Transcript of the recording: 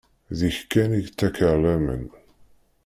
Deg-k kan i ttakeɣ laman.